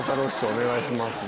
お願いします」。